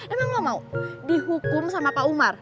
emang gak mau dihukum sama pak umar